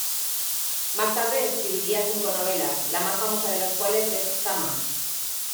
Más tarde escribiría cinco novelas, la más famosa de las cuales es "Zama".